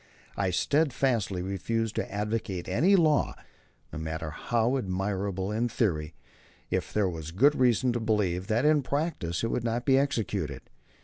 I steadfastly refused to advocate any law, no matter how admirable in theory, if there was good reason to believe that in practice it would not be executed.